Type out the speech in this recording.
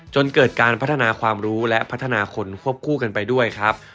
จนเกิดการพัฒนาความรู้และพัฒนาคนควบคู่กันไปด้วยครับ